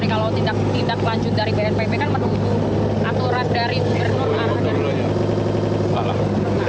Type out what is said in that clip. kalau tidak lanjut dari bnpp kan menutup aturan dari supertour